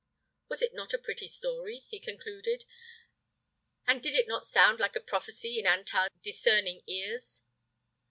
Was it not a pretty story? he concluded, and did it not sound like a prophecy in Antar's discerning ears?